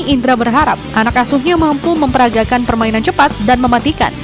indra berharap anak asuhnya mampu memperagakan permainan cepat dan mematikan